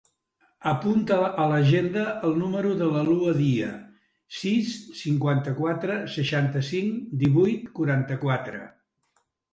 Apunta a l'agenda el número de la Lua Dia: sis, cinquanta-quatre, seixanta-cinc, divuit, quaranta-quatre.